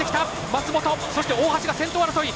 松本、大橋が先頭争い。